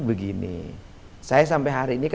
begini saya sampai hari ini